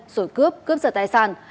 rồi cướp cướp giật tài sản